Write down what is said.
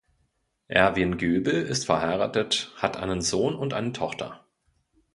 Erwin Göbel ist verheiratet, hat einen Sohn und eine Tochter.